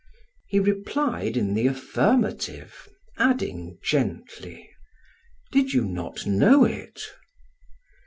He replied in the affirmative, adding gently: "Did you not know it?"